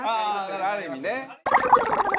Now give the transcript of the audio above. ああある意味ね。